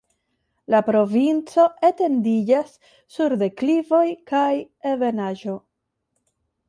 La provinco etendiĝas sur deklivoj kaj ebenaĵo.